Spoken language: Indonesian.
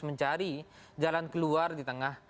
mencari jalan keluar di tengah